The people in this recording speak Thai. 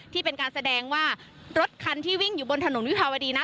ที่เป็นการแสดงว่ารถคันที่วิ่งอยู่บนถนนวิภาวดีนะ